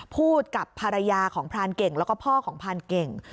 พูดกับภรรยาของพรานเก่งแล้วก็พ่อของพรานเก่ง